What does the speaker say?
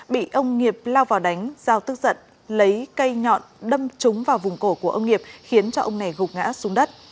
bị ông nghiệp lao vào đánh giao tức giận lấy cây nhọn đâm trúng vào vùng cổ của ông nghiệp khiến cho ông này gục ngã xuống đất